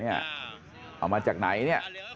เอามาจากไหน